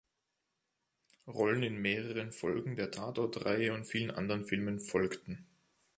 Rollen in mehreren Folgen der Tatort-Reihe und vielen anderen Filmen folgten.